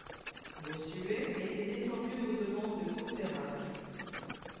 Bossuet était descendu au-devant de Courfeyrac.